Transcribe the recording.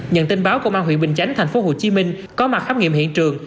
nhận tin báo công an huyện bình chánh tp hcm có mặt khám nghiệm hiện trường